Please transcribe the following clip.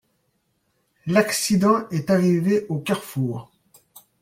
L'accident est arrivé au carrefour.